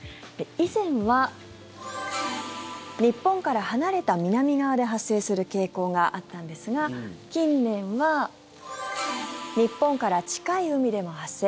以前は、日本から離れた南側で発生する傾向があったんですが近年は日本から近い海でも発生。